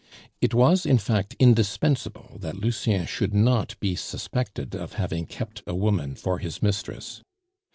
It was, in fact, indispensable that Lucien should not be suspected of having kept a woman for his mistress.